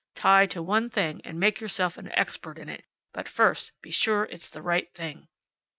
Tie to one thing, and make yourself an expert in it. But first be sure it's the right thing."